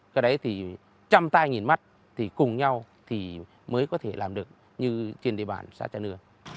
cái đấy thì chăm tay nhìn mắt thì cùng nhau thì mới có thể làm được như trên địa bàn xã trà nương